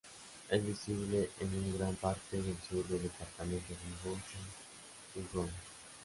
Es visible en una gran parte del sur del departamento de Bouches-du-Rhône.